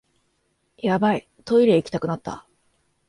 ヤバい、トイレ行きたくなった